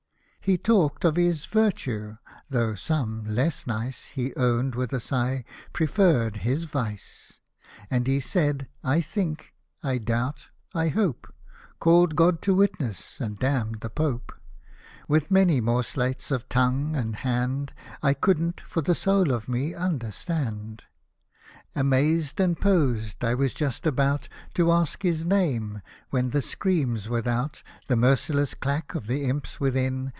He talked of his virtue —" though some, less nice, (He owned with a sigh) preferred his Vice^^ — And he said, '' I think"—" I doubt"—" I hope," Called God to witness, and damned the Pope ; With many more sleights of tongue and hand I couldn't, for the soul of me, understand. Amazed and posed, I was just about To ask his name, when the screams without. The merciless clack of the imps within.